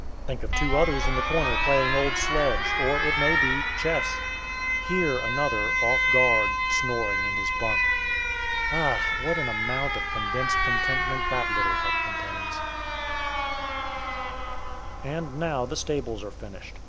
Think of two others in the corner playing "old sledge," or, it may be, chess. Hear another, "off guard," snoring in his bunk. Ah! what an amount of condensed contentment that little hut contains. [Illustration: AN INNOCENT VICTIM] And now the stables are finished.